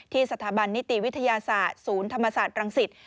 สถาบันนิติวิทยาศาสตร์ศูนย์ธรรมศาสตร์รังสิต